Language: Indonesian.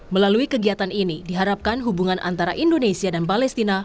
melalui kegiatan ini diharapkan hubungan antara indonesia dan palestina